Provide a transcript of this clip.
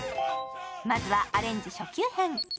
まずはアレンジ初級編。